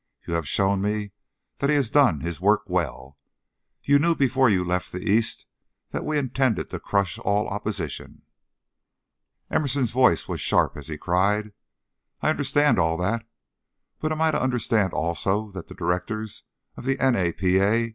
You have shown me that he has done his work well. You knew before you left the East that we intended to crush all opposition." Emerson's voice was sharp as he cried: "I understand all that; but am I to understand also that the directors of the N. A. P. A.